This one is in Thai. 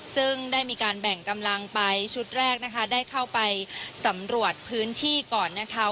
ซึ่งได้มีการแบ่งกำลังไปชุดแรกนะคะได้เข้าไปสำรวจพื้นที่ก่อนนะคะ